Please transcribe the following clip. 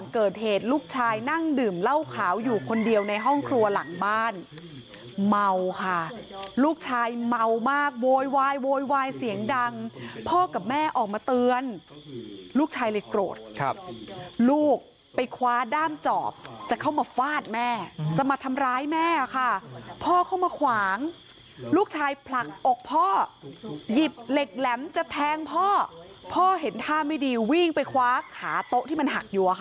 เกิดเหตุลูกชายนั่งดื่มเหล้าขาวอยู่คนเดียวในห้องครัวหลังบ้านเมาค่ะลูกชายเมามากโวยวายโวยวายเสียงดังพ่อกับแม่ออกมาเตือนลูกชายเลยโกรธครับลูกไปคว้าด้ามจอบจะเข้ามาฟาดแม่จะมาทำร้ายแม่ค่ะพ่อเข้ามาขวางลูกชายผลักอกพ่อหยิบเหล็กแหลมจะแทงพ่อพ่อเห็นท่าไม่ดีวิ่งไปคว้าขาโต๊ะที่มันหักอยู่อะค่ะ